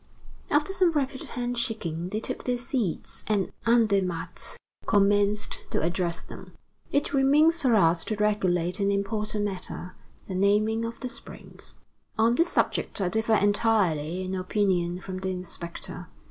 After some rapid hand shaking, they took their seats, and Andermatt commenced to address them: "It remains for us to regulate an important matter, the naming of the springs. On this subject I differ entirely in opinion from the inspector.